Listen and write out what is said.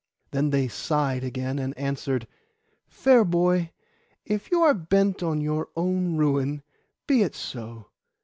Then they sighed again and answered, 'Fair boy, if you are bent on your own ruin, be it so.